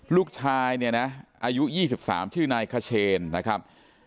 ลูกชายเนี่ยนะอายุ๒๓ชื่อนายขเชนนะครับ